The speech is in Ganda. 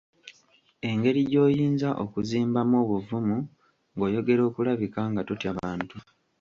Engeri gy’oyinza okuzimbamu obuvumu ng’oyogera okulabika nga totya bantu.